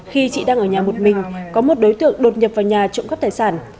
khi chị đang ở nhà một mình có một đối tượng đột nhập vào nhà trộm cắp tài sản